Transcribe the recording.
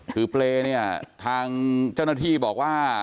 คือเปรย์เนี่ยทางเจ้าหน้าที่บอกว่า